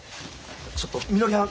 ちょっとみのりはん。